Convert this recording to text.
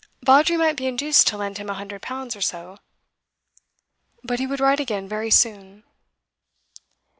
Vawdrey might be induced to lend him a hundred pounds or so. But he would write again very soon.